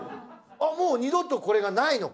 もう二度とこれがないのか。